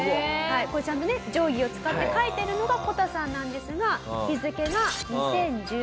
これちゃんとね定規を使って描いているのがこたさんなんですが日付が２０１５年。